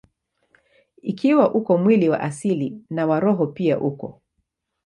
Ikiwa uko mwili wa asili, na wa roho pia uko.